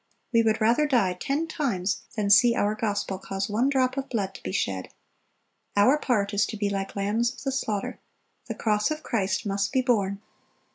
We would rather die ten times than see our gospel cause one drop of blood to be shed. Our part is to be like lambs of the slaughter. The cross of Christ must be borne.